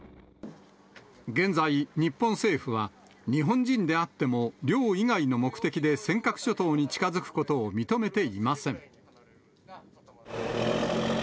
現在、日本政府は、日本人であっても漁以外の目的で尖閣諸島に近づくことを認めていません。